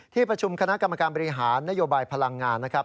ประชุมคณะกรรมการบริหารนโยบายพลังงานนะครับ